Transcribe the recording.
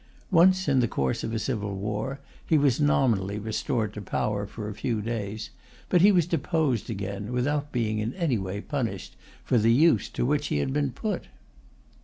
Once, in the course of a civil war, he was nominally restored to power for a few days; but he was deposed again, without being in any way punished for the use to which he had been put.